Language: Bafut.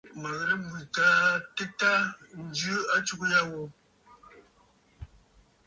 Mə ghɨ̀rə̀ m̀bwitə aa tɨta njɨ atsugə ya ghu.